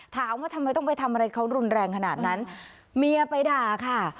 ถามว่าทำไมต้องไปทำอะไรเขารุนแรงขนาดนั้นเมียไปด่าค่ะ